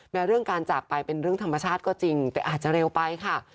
เรื่องการจากไปเป็นเรื่องธรรมชาติก็จริงแต่อาจจะเร็วไปค่ะ